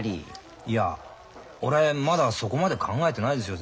いや俺まだそこまで考えてないですよ